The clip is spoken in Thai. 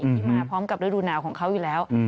ที่มาพร้อมกับฤดูหนาวของเขาอยู่แล้ว